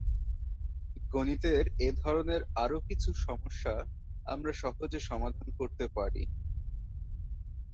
গণিতের এ ধরনের আরও কিছু সমস্যা আমরা সহজে সমাধান করতে পারি।